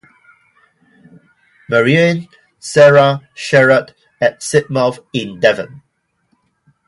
Marianne Sarah Sherard at Sidmouth in Devon.